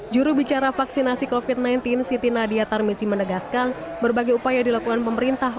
juru bicara vaksinasi kofit sembilan belas siti nadia tarmizi menegaskan berbagai upaya dilakukan pemerintah